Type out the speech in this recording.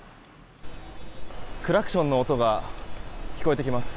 クラクションの音が聞こえてきます。